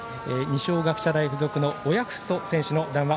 二松学舎大付属の親富祖選手の談話。